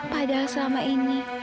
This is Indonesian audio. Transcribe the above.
padahal selama ini